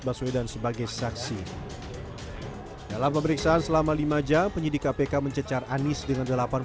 baswedan sebagai saksi dalam pemeriksaan selama lima jam penyidik kpk mencecar anis dengan delapan